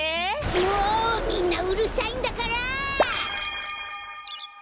もうみんなうるさいんだから！